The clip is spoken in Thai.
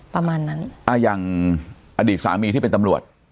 ประมาณนั้นอ่าอย่างอดีตสามีที่เป็นตำรวจ